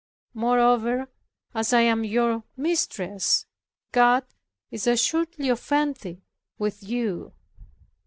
Moreover, as I am your mistress, God is assuredly offended with you."